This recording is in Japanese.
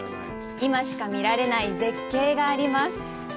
今しか見られない絶景があります。